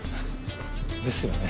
ですよね。